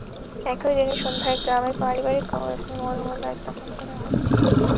একই দিন সন্ধ্যায় গ্রামের পারিবারিক কবরস্থানে মরহুমের লাশ দাফন করা হয়।